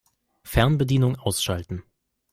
Fernbedienung ausschalten.